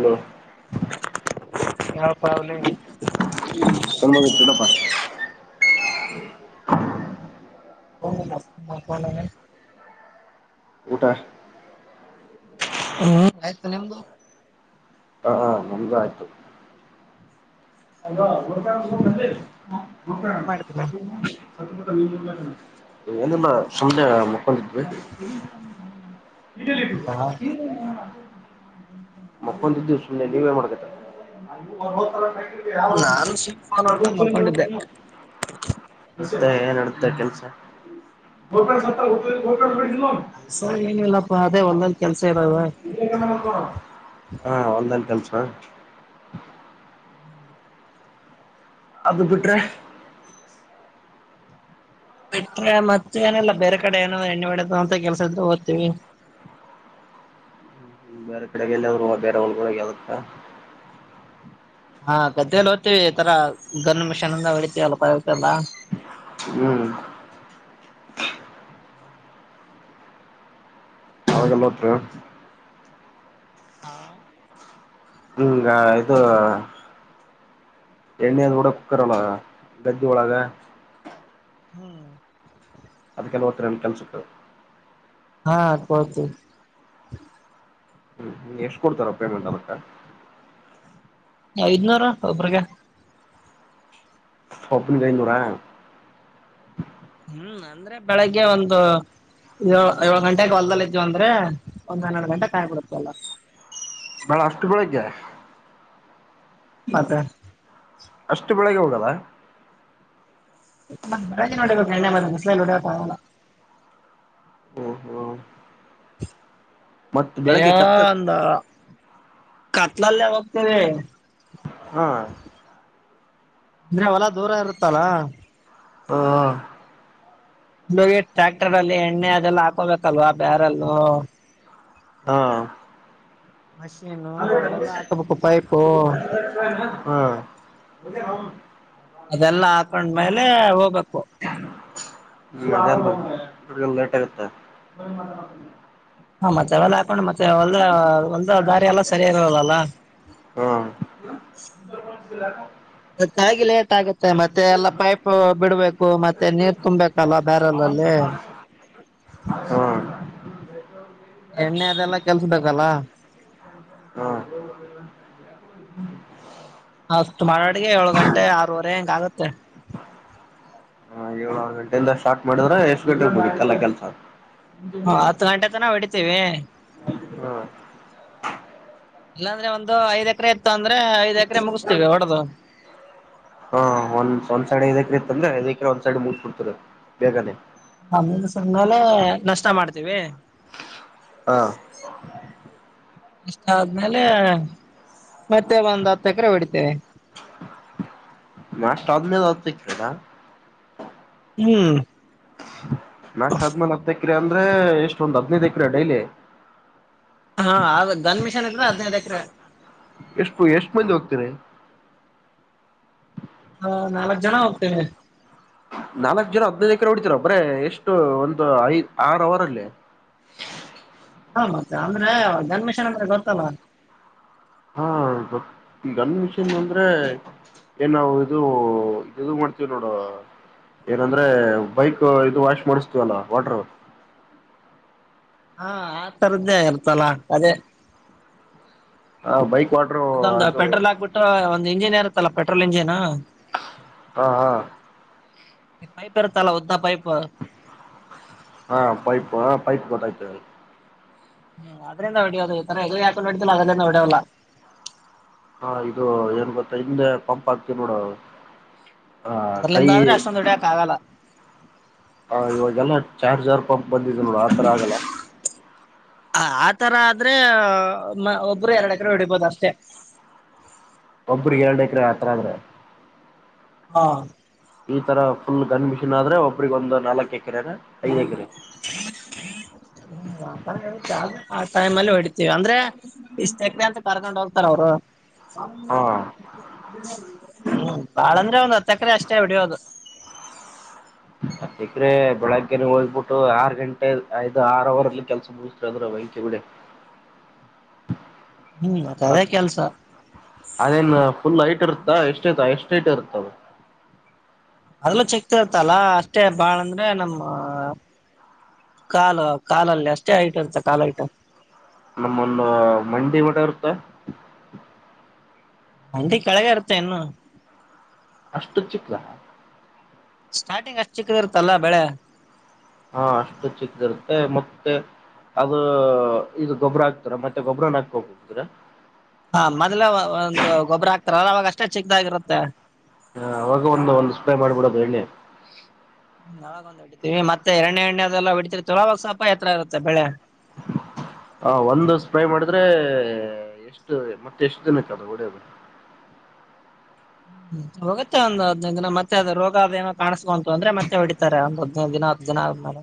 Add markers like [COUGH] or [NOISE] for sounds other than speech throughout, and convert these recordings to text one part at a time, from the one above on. Hello ಯಾವ್ ಪಾವ್ ಲೆ [UNINTELLIGIBLE] [INAUDIBLE] ಊಟ ಹ್ಮ್ ಆಯ್ತು ನಿಮ್ದು ಅ ಅ ನಮ್ದ ಆಯ್ತು [UNINTELLIGIBLE] ಏನ್ ಮಾಡ್ತೀನಿ ಏನು ಮಾಡಲ್ಲ ಸುಮ್ನೆ ಮಕ್ಕೊಂಡಿದ್ವಿ [INAUDIBLE] [UNINTELLIGIBLE] ಮಕ್ಕೊಂದಿದ್ದ ದಿವ ಸುಮ್ಮನೆ ನೀವ್ ನ್ ಮಾಡ್ಬೇಕ ನಾನು ಸುಮ್ ಫೋನ್ ನೋಡ್ಕೊಂಡ್ ಮಲ್ಕೊಂಡಿದ್ದೆ [UNINTELLIGIBLE] ಮ ಏನಡತ ಕೆಲ್ಸ [UNINTELLIGIBLE] ಕೆಲ್ಸ ಏನಿಲ್ಲಪ್ಪ ಅದೇ ಹೋಲ್ಲಲ್ಲಿ ಕೆಲ್ಸ ಇರದ ಹಾ ಹೋಲದಲ್ ಕೆಲಸ ಅದ ಬಿಟ್ರೆ ಬಿಟ್ರೆ ಮತ್ತ ಏನಿಲ್ಲಲ್ಲ ಬೇರೆ ಕಡೆ ಏನೋ ಎಣ್ಣೆ ಒಡೆದು ಅಂತ ಕೆಲ್ಸ ಇದ ಓದ್ತೀವಿ. ಬೇರೆ ಕಡೆಗೆಲ್ಲಾದ್ರು ಬೇರೆ ಒ್ಳಗಳಳಗೆದತ್ತ ಹಾ ಕದ್ದ ಗ್ತೀವಿ ಈ ತರ ಗನ್ ಮಿಷಿನ್ ಅಂದ ಹೊಳಿತೀವಲ್ಲಲ್ಲಾ ಹ್ಮ್ ಹಾಗಲ್ಲ ಹತ್ರ ಹಾ ಹ್ಮಂಗ ಇದು ಎಣ್ಣೆಂದ ಕೂಡ ಕುಕ್ಕರ್ ಒಳಗ ಗದ್ದೆ ಒಳಗ. ಹ್ಮ ಅದಕ್ಕೆಲ್ಲ ಒತ್ತರ ರಮಿಟಮಸ್ ಸಿಕ್ಕು ಹಾ ಕಡ್ತ ಹ್ಮ್ ಎಷ್ಟ್ ಕೊಡ್ತಾರ ಪೇಮೆಂಟ್ ಅದಕ್ಕ? ಐದ್ನೂರ ಒಬ್ಬರಿಗೆ ಸೊಪ್ನ ಐದನೂರಾ? ಹ್ಮ್ ಅಂದ್ರೆ ಬೆಳಗ್ಗೆ ಒಂದು ಏ ಏಳು ಗಂಟೆಗೆ ಹೊಲ್ದಲ್ಲ ಇದ್ವ ಅಂದ್ರೆ ಒಂದ್ ಹನ್ನೆರಡು ಗಂಟೆ ಕಾಯ್ಬ ಬಿಡತವಲ್ಲ. ಬಳ ಅಷ್ಟು ಬೆಳಿಗ್ಗೆ? ಮತ್ತೆ ಅಷ್ಟು ಬೆಳಗ್ಗೆ ಹೋಗಲ್ಲ? ಮೋ ಬಂದ ಎಲ್ಲೋಡಲ್ಲ ಹ್ಮ ಹ್ಮ [INAUDIBLE] ಅಂದ ಕತ್ಲಲ್ಲ ಬಕ್ತದೆ ಹ್ಮ ಅಂದ್ರೆ ಹೊಲಾ ದೂರ ಇರುತ್ತಲ್ಲಾ‌. ಹ್ಮ ಇ ಟ್ರ್ಯಾಕ್ಟರ್ ಅಲ್ಲಿ ಎಣ್ಣೆ ಅದೆಲ್ಲಾ ಹಾಕೋಬೇಕಲ್ವಾ ಬ್ಯಾರಲ್ಲ ಹಾ ಮಷನು ಹಾ ಅವವೆಲ್ಲ ಆಕಪಕ್ಕ ಪೈಪು ಹ್ಮ ಮೆ ಹ ಅದೆಲ್ಲಾ ಹಾಕೊಂಡ್ಮೇಲೆ ಹೋಗ್ಬೇಕು ಲೇಟ್ ಆಗುತ್ತೆ ಹಾ ಮತ್ತೆ ಅವೆಲ್ಲ ಹಾಕೊಂಡು ಮತ್ತೆ ಒದ ಒದ ದಾರಿ ಎಲ್ಲಾ ಸರಿಯಾಗಿರೋದಲ್ಲಲ್ಲ? ಹ್ಮ ತ್ತಾಗಿ ಲೇಟ್ ಆಗತ್ತೆ ಮತ್ತೆ ಎಲ್ಲ ಪೈಪ್ ಬಿಡ್ಬೇಕು ಮತ್ತೆ ನೀರ್ ತುಂಬ್ಬೇಕಲ್ಲ ಹ್ಮ ಬೇರೆಲ್ಲಲ್ಲಿ ಹಾ ಎಣ್ಣೆ ಅದೆಲ್ಲಾ ಕೆಲ್ಸಡ್ಲ್ಲ ಹಾ ಅಷ್ಟು ಮಾಡಾಟಿಗೆ ಏಳು ಗಂಟೆ ಆರೂವರೆ ಹಿಂಗ್ ಆಗತ್ತೆ. ಹಾ ಯಾವ ಆರ್ ಗಂಟೆಯಿಂದ ಸ್ಟಾರ್ಟ್ ಮಾಡಿದ್ರೆ ಎಷ್ಟು ಗಂಟೆಗ್ ಮುಗಿಯುತ್ತಲೆ ಕೆಲ್ಸ. ಹ ಹತ್ತು ಗಂಟೆ ತನ್ ನಾವು ಹಿಡಿತೇವಿ. ಹ್ಮ ಇಲ್ಲಾಂದ್ರೆ ಒಂದು ಐದ್ ಎಕರೆ ಇತ್ತು ಅಂದ್ರೆ ಐದ್ ಎಕರೆ ಮುಗಿಸ್ತೀವಿ ಹೊಡ್ದು. ಹಾ ಒಂದ ಒಂದ್ ಸೈಡ್ ಐದೇಕ್ರೆ ಇತ್ತಂದ್ರೆ ಐದೇಕ್ರೆ ಒಂದ್ ಸೈಡ್ ಮುಗಿಸ್ ಬಿಡ್ತೀರಿ. ಬೇಗನೆ ಹಾ ಮುಗಿದ್ ಸಲ್ಮೇಲೆ ನಾಷ್ಟ ಮಾಡ್ತೀವಿ. ಹಾ ಇಷ್ಟಾದ್ಮೇಲೆ ಮತ್ತೆ ಒಂದ್ ಹತ್ತು ಎಕರೆ ಹೊಡಿತೇವೆ. ನಾಷ್ಟ ಆದ್ಮೇಲು ಹತ್ತ್ ಎಕ್ರೆನ? ಹ್ಮ್ ನಾಷ್ಟ್ ಆದ್ಮೇಲೆ ಹತ್ತು ಎಕ್ರೆ ಅಂದ್ರೆ ಎಷ್ಟ್ ಒಂದ್ ಹದ್ನೈದು ಎಕ್ರೆಯ ಡೈಲಿ. ಹಾ ಆಗ್ ಧನ್ ಮಿಷನ್ ಇದ್ರೆ ಹದ್ನೈದ್ ಎಕ್ರೆ. ಎಷ್ಟು ಎಷ್ಟ್ ಮಂದಿ ಹೋಗ್ತಿರಿ. ಹಾ ನಾಲ್ಕ್ ಜನ ಹೋಗ್ತೀವಿ. ನಾಲ್ಕು ಜನ ಹದ್ನೈದ್ ಎಕರೆ ಹೊಡ್ತೀರ ಬರೇ ಎಷ್ಟು ಒಂದು ಐದು ಆರ್ ಅವರಲ್ಲಿ. ಹ ಮತ್ತೆ ಅಂದ್ರೆ ಗನ್ಮಿಷನ್ ಅಂದ್ರೆ ಗೊತ್ತಲ್ಲ. ಹಾ ಗೊತ್ ಗನ್ ಮಿಷನ್ ಅಂದ್ರೆ ಏನ್ ನಾವ್ ಇದು ಇದುದು ಮಾಡ್ತೀವ್ ನೋಡು. ಏನಂದ್ರೆ ಬೈಕ್ ಇದು ವಾಶ್ ಮಾಡಿಸ್ತೀವಲ್ಲ ವಾಟ್ರು. ಹಾ ಆ ತರದ್ದೇ ಇರ್ತಲ್ಲ ಅದೇ. ಹ ಬೈಕ್ ವಾಟ್ರು ಅದೊಂದು ಪೆಟ್ರೋಲ್ ಹಾಕ್ಬಿಟ್ಟು ಒಂದ್ ಇಂಜಿನ್ ಇರುತ್ತಲ್ಲಾ ಪೆಟ್ರೋಲ್ ಇಂಜಿನ್. ಹಾ ಹಾ ಈ ಪೈಪ್ ಇರುತಲ್ಲ ಉದ್ದ ಪೈಪು ಹಾ ಪೈಪ್ ಹ ಪೈಪ್ ಗೊತ್ತಾಯ್ತು ಹೇಳ್ ಹ ಅದ್ರಿಂದ ಹೊಡ್ಯೋದು ಈ ತರ ಹೇಗ್ಲಿಗ್ ಹಾಕೊಂಡ್ ಹೊಡಿತೀವಲ್ಲ ಅದ್ರಿಂದ ಹೊಡ್ಯಲ್ಲ. ಹಾ ಇದು ಏನ್ ಗೊತ್ತ ಹಿಂದೆ ಪಂಪ್ ಆಕ್ತಿವ್ ನೋಡು ಆ ಕೈ ಒಡಿಯಕ್ ಆಗಲ್ಲ. ಹ ಇವಾಗೆಲ್ಲ ಚಾರ್ಜರ್ ಪಂಪ್ ಬಂದಿದೆ ನೋಡ್ ಆತರ ಆಗಲ್ಲ. ಆತರ ಆದ್ರೆ ಮ ಒಬ್ರು ಎರಡು ಎಕರೆ ಹೊಡಿಬೋದಷ್ಟೇ. ಒಬ್ರಿಗ್ ಎರಡ್ ಎಕ್ರೆ ಆ ತರ ಆದ್ರೆ. ಹಾ ಈ ತರ ಫುಲ್ ಗನ್ ಮಿಷಿನ್ ಆದ್ರೆ ಒಬ್ರಿಗ್ ಒಂದು ನಾಲ್ಕು ಎಕರೆನ ಐದ್ ಎಕರೆ. ಹ್ಮ್ ಅತರ ಇರುತ್ತೆ ಆದ್ರೆ ಆ ಟೈಮ್ಲಿ ಹೊಡಿತೀವಿ ಅಂದ್ರೆ ಇಷ್ಟ್ ಎಕ್ರೆ ಅಂತ ಕರ್ಕೊಂಡ್ ಹೋಗ್ತಾರ್ ಅವ್ರು. ಹಾ ಹ್ಮ ಬಾಳಂದ್ರೆ ಒಂದ್ ಹತ್ತೆಕ್ರೆ ಅಷ್ಟೇ ಹೊಡಿಯೋದು. ಹತ್ತೆಕ್ರೆ ಬೆಳಗ್ಗೆನೆ ಹೋಗ್ಬಿ ಆರು ಗಂಟೆ ಐದು ಆರ್ ಅವರ್ ಅಲ್ಲಿ ಕೆಲಸ ಮುಗಿಸ್ತಿರ್ ಅಂದ್ರ ಬೆಂಕಿ ಬಿಡಿ. ಹ್ಮ್ ಮತ್ ಅದೇ ಕೆಲ್ಸ. ಅದೇನ್ ಫುಲ್ ಹೈಟ್ ಇರುತ್ತಾ ಎಷ್ಟ ಇತ ಎಷ್ಟ್ ಹೈಟ್ ಇರುತ್ತದು. ಅದಲ್ಲ ಚೆಕ್ತಿರ್ತಲ್ಲ ಅಷ್ಟೇ ಬಾಳ ಅಂದ್ರೆ ನಮ್ಮ ಕಾಲ್ ಕಾಲಲ್ಲಿ ಅಷ್ಟೇ ಹೈಟ್ ಇರುತ್ತೆ ಕಾಲ್ ಹೈಟು. ನಮ್ಮೊಂದು ಮಂಡಿ ಮಟ ಇರುತ್ತ ಮಂಡಿ ಕೆಳಗೆ ಇರುತ್ತೆ ಇನ್ನು. ಅಷ್ಟು ಚಿಕ್ದಾ ಸ್ಟಾರ್ಟಿಂಗ್ ಅಷ್ಟ್ ಚಿಕ್ಕದಿರುತ್ತಲ್ಲಾ ಬೆಳೆ. ಹಾ ಅಷ್ಟು ಚಿಕ್ಕದಿರುತ್ತೆ ಮತ್ತೆ ಅದು ಇದು ಗೊಬ್ಬರ ಹಾಕ್ತೀರ ಮತ್ತೆ ಗೊಬ್ಬರನ ಹಾಕೋಕ್ ಹೋಗ್ತಿರ. ಹಾ ಮೊದ್ಲ ಒಂದ್ ಗೊಬ್ಬರ ಹಾಕ್ತಾರಲವಾಗ ಅಷ್ಟೇ ಚಿಕ್ಕದಾಗಿರುತ್ತೆ. ಹ ಅವಾಗ ಒಂದು ಒಂದ್ ಸ್ಪ್ರೇ ಮಾಡ್ಬಿಡೋದು ಎಣ್ಣೆ. ಹ್ಮ್ ಅವಾಗ್ ಒಂದು ಹೊಡಿತೀವಿ ಮತ್ತೆ ಎರ್ಣ ಎಣ್ಣೆ ಅದೆಲ್ಲಾ [UNINTELLIGIBLE] ಅವಾಗ್ ಸ್ವಲ್ಪ್ ಎತ್ತರ ಇರುತ್ತೆ ಬೆಳೆ. ಹ ಒಂದು ಸ್ಪ್ರೈ ಮಾಡಿದ್ರೆ ಎಷ್ಟು ಮತ್ತೆ ಎಷ್ಟು ದಿನಕ್ಕದು ಹೊಡ್ಯೋದು. ಹ್ಮ ಹೋಗುತ್ತೆ ಒಂದು ಹದ್ನೈದು ದಿನ ಮತ್ತೆ ಅದು ರೋಗ ಅದೇನೋ ಕಾಣ್ಸ್ಕೊಂತು ಅಂದ್ರೆ ಮತ್ತೆ ಹೊಡಿತಾರೆ ಒಂದು ಹದ್ನೈದಿನ ದಿನ ಅದ್ಮೇಲೆ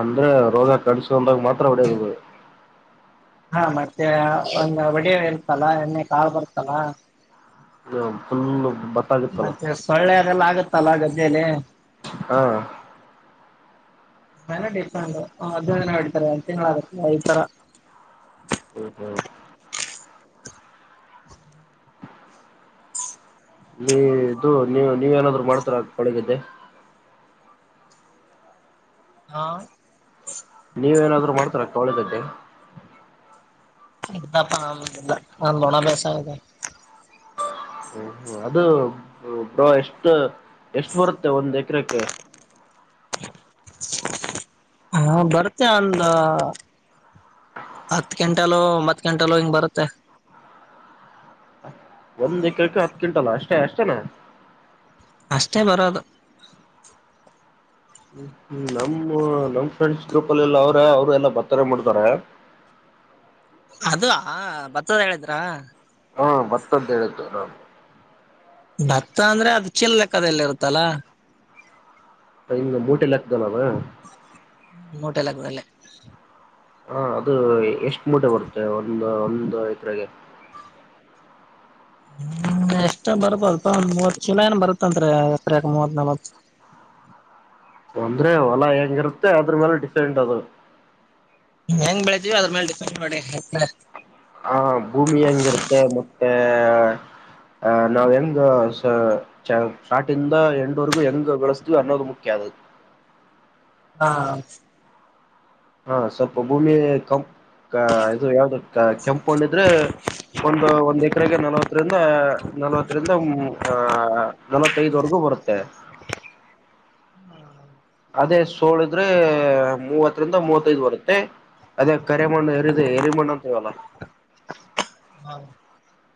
ಅಂದ್ರೆ ರೋಗ ಕಾಣ್ಸ್ಕೊಂಡಾಗ್ ಮಾತ್ರ ಹೊಡಿಯೋದದು. ಹಾ ಮತ್ತೆ ಒಂದು ವಡೆ ಇರ್ತಲ್ಲ ಎಣ್ಣೆ ಕಾಳ್ ಬರುತ್ತಲ್ಲ. [INAUDIBLE] ಫುಲ್ಲು ಭ ಮತ್ತೆ ಸೊಳ್ಳೆ ಅದೆಲ್ಲ ಆಗತ್ತಲ್ಲ ಗದ್ದೇಲಿ ಹಾ ಮೇಲೆ ಡಿಪೆಂಡ್ ಹದ್ನೈದಿನ ಹೊಡೀತಾರೆ ಒಂದ್ ತಿಂಗಳಾಗುತ್ತಲ ಈ ತರ ಹ್ಮ್ ಹ್ಮ್ [INAUDIBLE] ನೀ ಇದು ನೀ ನೀವೇ ಏನಾದ್ರು ಮಾಡ್ತೀರ ಕೊಳಿ ಗದ್ದೆ. ಹಾ ನೀವೇನಾದ್ರು ಮಾಡ್ತೀರ ಕವಳಿಗದ್ದೆ. [UNINTELLIGIBLE] ನಮ್ ಒಣ ಬೇಸಯ ಇದೆ. ಹ್ಮ ಹ ಅದು ಬ ಎಷ್ಟ್ ಎಷ್ಟು ಬರುತ್ತೆ ಒಂದ್ ಎಕರೆಕ್ಕೆ ಹಾ ಬರುತ್ತೆ ಒಂದ ಹತ್ ಗಂಟೆಲ್ಲೋ ಒಂಬತ್ ಗಂಟೆಲ್ಲೋ ಹಿಂಗ್ ಬರುತ್ತೆ. ಒಂದ್ ಎಕರೆಕ ಹತ್ತು ಕಿಂಟಲ್ ಅಷ್ಟೇ ಅಷ್ಟೇನ. ಅಷ್ಟೇ ಬರೋದು. ಹ್ ಹ್ಮ್ ನಮ್ಮ ನಮ್ ಫ್ರೆಂಡ್ಸ್ ಗ್ರೂಪ್ ಅಲ್ಲಿ ಎಲ್ಲ ಅವ್ರ ಅವ್ರು ಎಲ್ಲಾ ಭತ್ತಾನೆ ಮಾಡ್ತಾರ. ಅದು ಆ ಭತ್ತದ್ ಹೇಳಿದ್ರ. ಹಾ ಭತ್ತಂತ್ ಹೇಳಿತ್ತು ರಾಮ್ ಭತ್ತ ಅಂದ್ರೆ ಅದ್ ಚಿಲ್ ಲೆಕ್ಕದಲ್ ಇರುತ್ತಲಾ ಆ ಇಂಗ ಮುಟೆ ಲೆಕ್ಕದಲ್ಲೆನ ಮೂಟೆ ಲೆಕ್ಕದಲ್ಲೇನ ಹ್ಮ್ ಮೂಟೆ ಲೆಕ್ಕದಲ್ಲಿ. ಹಾ ಅದು ಎಷ್ಟ್ ಮೂಟೆ ಬರುತ್ತೆ ಒಂದು ಒಂದು ಎಕರೆಗೆ. ಹ್ಮ್ ಎಷ್ಟ ಬರ್ತದಪ್ಪ ಅಲ್ಪ ಒಂದ್ ಮೂವತ್ ಚೀಲ ಏನ ಬರತ್ತಂತ್ರಿ ಎಕ್ರ್ಯಾಗ ಮೂವತ್ ನಲ್ವತ್ ಅಂದ್ರೆ ಹೊಲ ಹೆಂಗಿರುತ್ತೆ ಅದ್ರು ಮೇಲೆ ಡಿಫ್ರೆಂಟ್ ಅದು. ಹೆಂಗ್ ಬೆಳಿತೀವ್ ನೋಡಿ ಅದ್ರೂ ಮೆಲ್ ಡಿಫೆಂಡ್ ನೋಡಿ. ಹ ಭೂಮಿ ಹೆಂಗಿರುತ್ತೆ ಮತ್ತೆ ಅ ನಾವ್ ಹೆಂಗ ಸ ಚ್ ಶಾರ್ಟಿಂದ ಎಂಡ್ ವರೆಗೂ ಹೆಂಗ್ ಬೆಳೆಸ್ತಿವ್ ಅನ್ನೋದು ಮುಖ್ಯ ಆದು. ಹಾ ಹಾ ಸ್ವಲ್ಪ ಭೂಮಿ ಕಂ ಕ ಇದು ಯಾವ್ದು. ಕೆಂಪ್ ಮಣ್ಣ್ ಇದ್ರೆ ಒಂದು ಒಂದ್ ಎಕರೆಗೆ ನಲ್ವತ್ ಹತ್ತರಿಂದ ನಲ್ವತ್ತರಿಂದ ಆ ನಲವತ್ತೈದ್ವರೆಗೂ ಬರುತ್ತೆ. ಅದೇ ಸೋಳಿದ್ರೆ ಮೂವತ್ತರಿಂದ ಮೂವತ್ತೈದ್ ಬರುತ್ತೆ. ಅದೇ ಕರೆಮಣ್ಣು ಎರಿದೆ ಎರಿಮಣ್ಣು ಅಂತಿವಲ್ಲ. ಹೌದು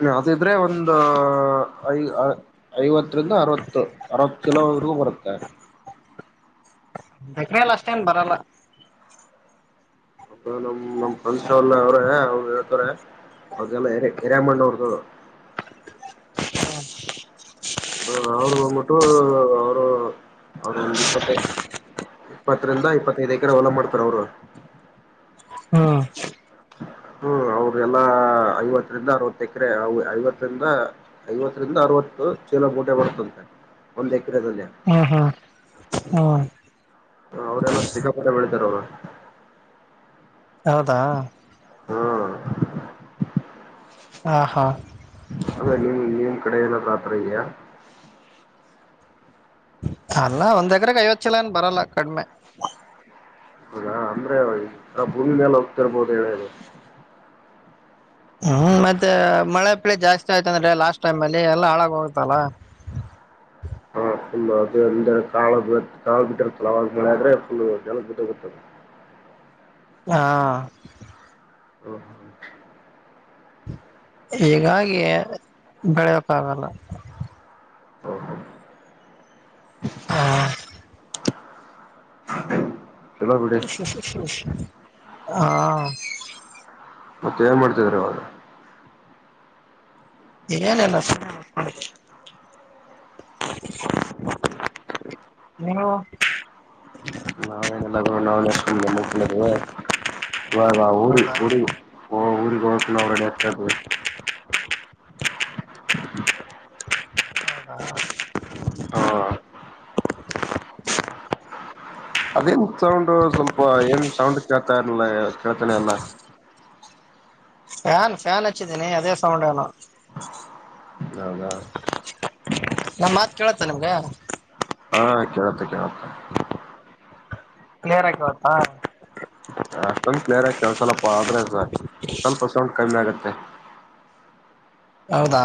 ಅ ಅದಿದ್ರೆ ಒಂದು ಐದ್ ಅ ಐವತ್ತರಿಂದ ಅರವತ್ತು ಅರವತ್ ಕಿಲೋವರೆಗೂ ಬರುತ್ತೆ. [UNINTELLIGIBLE] ಏನ್ ಅಷ್ಟೇನ್ ಬರಲ್ಲ. ನಮ್ ನಮ್ಮ್ [UNINTELLIGIBLE] ಅವ್ರೆ ಅವ್ರು ಹೇಳ್ತಾರೆ. ಅದೆಲ್ಲ ಏರಿ ಕೆರೆಮಣ್ಣ್ ಹೊಡ್ದೊ ಹ್ಮ ಹ ಅವರು ಬಂದ್ಬಿಟ್ಟು ಅವರು ಅವರು ಒಂದ್ ಇಪ್ಪತ್ತೇ ಇಪ್ಪತ್ತರಿಂದ ಇಪ್ಪತ್ತೈದು ಎಕರೆ ಹೊಲ ಮಾಡ್ತಾರ ಅವ್ರು. ಹ್ಮ್ ಹ್ಮ್ ಅವ್ರ್ ಎಲ್ಲಾ ಐವತ್ತರಿಂದ ಅರವತ್ ಎಕರೆ ಐವತ್ತರಿಂದ ಐವತ್ತರಿಂದ ಅರವತ್ತು ಚಲೋ ಗೂಟೆ ಬರುತಂತೆ ಒಂದ್ ಎಕರೆದಲ್ಲಿ. ಹಾ ಹ್ಮ ಅವ್ರೇನೋ ಸಿಕ್ಕಾಪಟ್ಟೆ ಬೆಳಿತಾರ ಅವ್ರ್. ಹೌದಾ? ಹಾ ಹ ಹಾ ಅ ನೀ ಅ ಕಡೆ ಏನಾದ್ರಾತ್ರ ಇದ್ಯಾ. ಅಲ್ಲ ಒಂದ್ ಎಕ್ರಗೆ ಐವತ್ತು ಚೀಲ ಏನ್ ಬರಲ್ಲ ಕಡ್ಮೆ. ಹೌದಾ ಅಂದ್ರೆ ಭೂಮಿ ಮೇಲ್ ಹೋಗ್ತಿರ್ಬೋದು ಹೇಳದೆ. ಹ್ಮ್ ಮತ್ತೆ ಮಳೆ ಪಳಿ ಜಾಸ್ತಿ ಆಯ್ತ ಅಂದ್ರೆ ಲಾಸ್ಟ್ ಟೈಮ್ ಅಲ್ಲಿ ಎಲ್ಲಾ ಹಾಳಾಗ ಹೋಗುತ್ತಲ್ಲ. ಹಾ ಫುಲ್ ಅದು ಅಂದ್ರ ಕಾಳ ಕಾಳ ಬಿಟ್ಟಿರ್ತ್ತಲ್ಲ ಅವಾಗ ಬೆಳೆ ಆದ್ರೆ ಫುಲ್ ಕೆಳಗ್ ಬಿದ್ದೋಗತ್ತದು. ಹಾ ಹಓ ಹ ಹೀಗಾಗಿ ಬೆಳೆಯಕ್ಕಾಗಲ್ಲ. ಹಾ [INAUDIBLE] ಹ [INAUDIBLE] ಹಾ ಮತ್ತೆ ಏನ್ ಮಾಡ್ತಿದೀರ ಇವಾಗ? ಏನಲ್ಲ ಸುಮ್ನೆ ಮಲ್ಕೊಂಡಿದ್ದೀನಿ. ನೀನೂ ನಾವೇನಿಲ್ಲ ಗುರು ನಾವುನೂ ಸುಮ್ನೆ ಮಲ್ಕಂಡದೆ ಇವಾಗ ಊರಿ ಹೌದಾ ಊ ಹ ಹ ಊರಿಗೀನ ಅವರೆ [UNINTELLIGIBLE] ಹಾ ಹಾ ಅದೇನ್ಕ್ ಸೌಂಡ್ ಸ್ವಲ್ಪ ಏನ್ ಸೌಂಡ್ ಕೇಳ್ತಾ ಇರ್ಲಿಲ್ಲ ಕೇಳ್ತಾನೆ ಇಲ್ಲಾ. ಫ್ಯಾನ್ ಫ್ಯಾನ್ ಹಚ್ಚಿದ್ದೀನಿ ಅದೇ ಸೌಂಡೇನೊ. ಹೌದಾ ಸ ಮಾತ್ ಕೇಳತ್ತ ನಿಮ್ಗ. ಹಾ ಕೇೇಳುತ್ತೆ ಕೇಳುತ್ತೆ. ಕ್ಲಿಯರ್ ಆಗ್ ಕೇಳತ್ತಾ? ಅಷ್ಟೊಂದ್ ಕ್ಲಿಯರ್ ಆಗ್ ಕೆೇಳಸಲ್ಲಪ್ಪ ಆದ್ರೆ ಸ್ವಲ್ಪ ಸೌಂಡ್ ಕಮ್ಮಿ ಆಗತ್ತೆ. ಹೌದಾ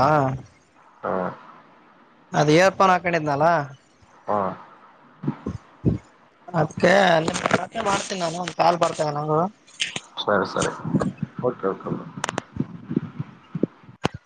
ಹಾ ಅದು ಏರ್ಫೋನ್ ಹಾಕೊಂಡಿದ್ನಲ್ಲ ಹಾ ಅದಕ್ಕೆ ಅಲ್ಲಿ ಪ್ರಚ ಮಾಡ್ತೀನಿ ನಾನು ಒಂದು ಕಾಲ್ ಬರ್ತೇವ ನಂಗೂ ಸರಿ ಸರಿ ಓಕೆ ಓಕೆ ಮೇಡಂ